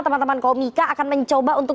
teman teman komika akan mencoba untuk